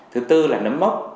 thứ tư là nấm mốc